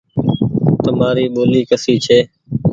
تمآري ٻولي ڪسي ڇي ۔